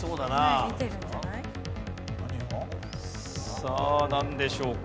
さあなんでしょうか？